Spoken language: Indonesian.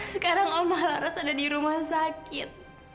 sekarang om maharas ada di rumah sakit